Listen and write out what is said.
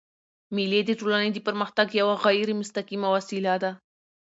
مېلې د ټولني د پرمختګ یوه غیري مستقیمه وسیله ده.